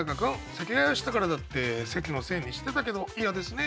席替えをしたからだって席のせいにしてたけど嫌ですね。